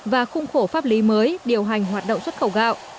và khung khổ pháp lý mới điều hành hoạt động xuất khẩu gạo